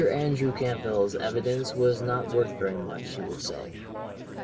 Andrew Campbell's evidence was not worth very much, you will say.